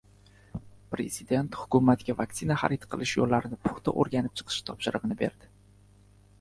Prezident Hukumatga vaksina xarid qilish yo‘llarini puxta o‘rganib chiqish topshirig‘ini berdi